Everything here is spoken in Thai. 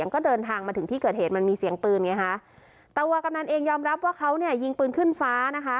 ก็เดินทางมาถึงที่เกิดเหตุมันมีเสียงปืนไงฮะแต่ตัวกำนันเองยอมรับว่าเขาเนี่ยยิงปืนขึ้นฟ้านะคะ